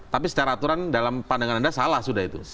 tapi secara aturan dalam pandangan anda salah sudah itu